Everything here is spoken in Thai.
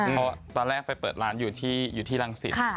เพราะตอนแรกไปเปิดร้านอยู่ที่รังสิต